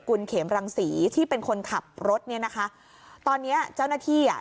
คุณเขมรังศรีที่เป็นคนขับรถเนี้ยนะคะตอนเนี้ยเจ้าหน้าที่อ่ะ